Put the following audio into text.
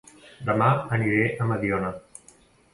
Dema aniré a Mediona